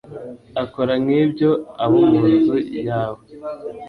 akora nk ibyo abo mu nzu yawe